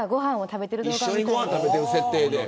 一緒にご飯食べてる設定で。